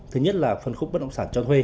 thứ nhất là phân khúc bất động sản cho thuê